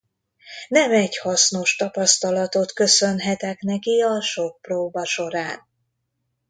Nem egy hasznos tapasztalatot köszönhetek neki a sok próba során.